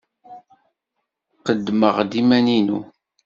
Qeddmeɣ-d iman-inu.